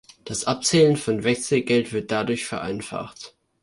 Das Abzählen von Wechselgeld wird dadurch vereinfacht.